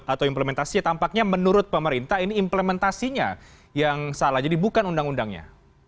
atau implementasinya tampaknya menurut pemerintah ini implementasinya yang salah jadi bukan undang undangnya